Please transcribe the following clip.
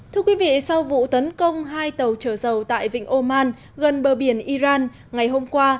thưa quý vị sau vụ tấn công hai tàu chở dầu tại vịnh oman gần bờ biển iran ngày hôm qua